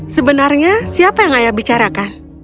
sebenarnya siapa yang ayah bicarakan